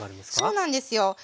そうなんですよ。